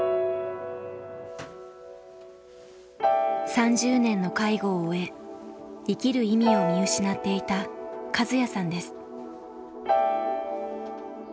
３０年の介護を終え生きる意味を見失っていたカズヤさんです。